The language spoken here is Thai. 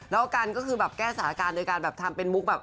แล้วกันก็คือแบบแก้สถานการณ์โดยการแบบทำเป็นมุกแบบ